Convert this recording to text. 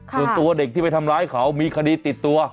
ส่วนตัวเด็กที่ไปทำร้ายเขามีคดีติดตัว